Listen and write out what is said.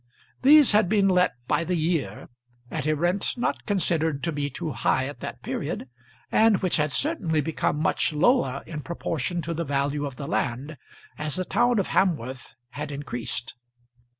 These had been let by the year, at a rent not considered to be too high at that period, and which had certainly become much lower in proportion to the value of the land, as the town of Hamworth had increased.